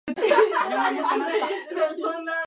誰もいなくなった